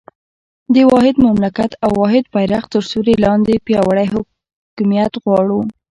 د واحد مملکت او واحد بېرغ تر سیوري لاندې پیاوړی حاکمیت غواړو.